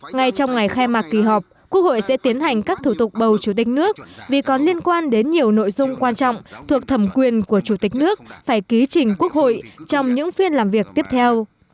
ngay trong ngày khai mạc kỳ họp quốc hội sẽ tiến hành các thủ tục bầu chủ tịch nước vì có liên quan đến nhiều nội dung quan trọng thuộc thẩm quyền của chủ tịch nước phải ký trình quốc hội trong những phiên làm việc tiếp theo